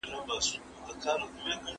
د هر کوچني کار په مقابل کې مننه وکړئ.